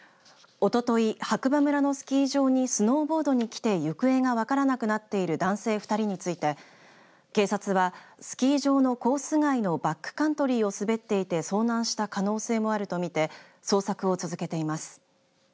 おととい、白馬村のスキー場にスノーボードに来て行方が分からなくなっている男性２人について警察はスキー場のコース外のバックカントリーを滑っていて遭難した可能性もあると見て捜索を続けています。